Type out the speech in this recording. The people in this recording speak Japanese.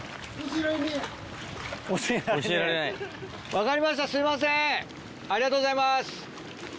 分かりましたすいませんありがとうございます。